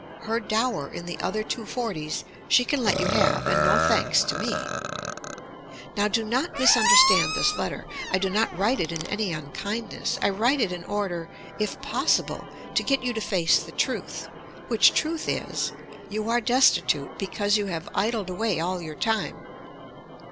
Her dower in the other two forties she can let you have, and no thanks to me. Now do not misunderstand this letter. I do not write it in any unkindness. I write it in order, if possible, to get you to face the truth, which truth is, you are destitute because you have idled away all your time.